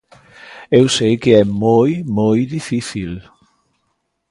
Eu sei que é moi, moi difícil.